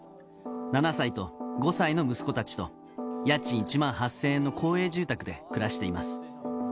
７歳と５歳の息子たちと家賃１万８０００円の公営住宅で暮らしています。